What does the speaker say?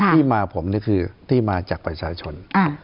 ที่มาผมนี่คือที่มาจากประชาชน